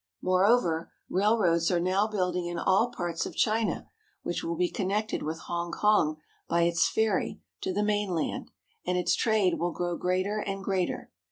More over, railroads are now building in all parts of China which will be connected with Hongkong by its ferry to the main land, and its trade will grow greater and greater.